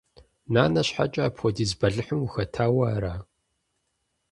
Нанэ щхьэкӀэ апхуэдиз бэлыхьым ухэтауэ ара?